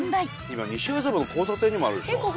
今西麻布の交差点にもあるでしょ。